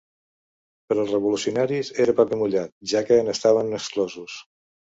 Per als revolucionaris era paper mullat, ja que n'estaven exclosos.